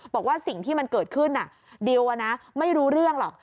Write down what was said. บอกว่าสิ่งที่มันเกิดขึ้นดิวไม่รู้เรื่องหรอก